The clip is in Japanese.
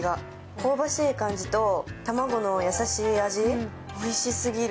香ばしい感じと、卵の優しいお味おいしすぎる。